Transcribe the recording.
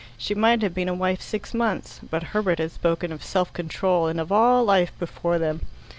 She might have been a wife six months; but Herbert had spoken of self control and of all life before them.